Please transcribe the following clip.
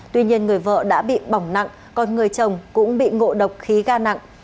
tuy nhiên người vợ đã bị bỏng nặng còn người chồng cũng bị ngộ độc khí ga nặng